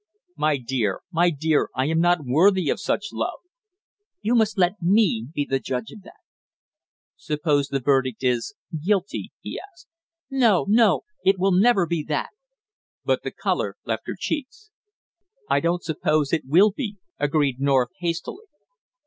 "My dear! My dear! I am not worthy of such love." "You must let me be the judge of that." "Suppose the verdict is guilty?" he asked. "No, no, it will never be that!" But the color left her cheeks. "I don't suppose it will be," agreed North hastily.